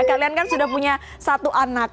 kalian kan sudah punya satu anak